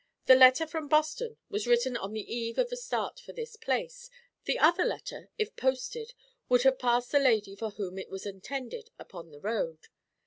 The letter from Boston was written on the eve of a start for this place. The other letter, if posted, would have passed the lady for whom it was intended upon the road.